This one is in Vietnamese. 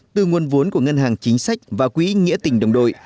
từ nguồn vốn của ngân hàng chính sách và quỹ nghĩa tỉnh đồng đội